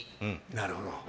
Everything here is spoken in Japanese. なるほど。